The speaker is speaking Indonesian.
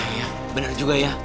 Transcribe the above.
iya benar juga ya